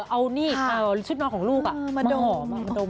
เอานี่ชุดนอนของลูกอะมาหอม